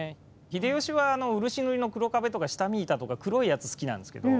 秀吉は漆塗りの黒壁とか下見板とか黒いやつ好きなんですけど。